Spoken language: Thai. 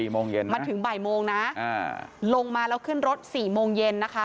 มาถึงบ่ายโมงนะลงมาแล้วขึ้นรถ๔โมงเย็นนะคะ